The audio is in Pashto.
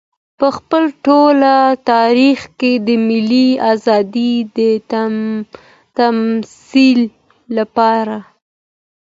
په خپل ټول تاريخ کې د ملي ارادې د تمثيل لپاره.